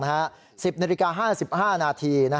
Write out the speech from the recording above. ๑๐นาฬิกา๕๕นาที